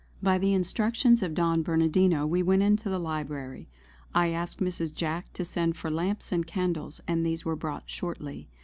By the instructions of Don Bernardino we went into the library. I asked Mrs. Jack to send for lamps and candles, and these were brought shortly.